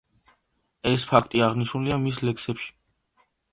ეს ფაქტი აღნიშნულია მის ლექსებში.